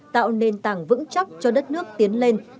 tạo nền tảng vững chắc cho đất nước tiến lên